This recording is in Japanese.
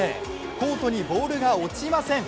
コートにボールが落ちません。